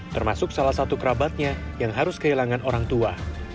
termasuk salah satu kerabatnya yang harus kehilangan orang tua